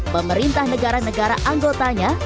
pemerintah negara negara anggotanya